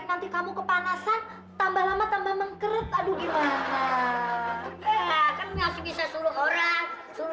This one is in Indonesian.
nanti kamu kepanasan tambah lama tambah mengkerut aduh gimana kan masih bisa suruh orang suruh